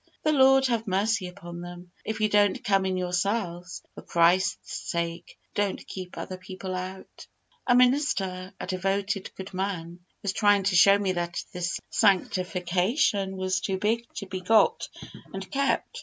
The Lord have mercy upon them! If you don't come in yourselves, for Christ's sake don't keep other people out. A minister a devoted, good man was trying to show me that this sanctification was too big to be got and kept.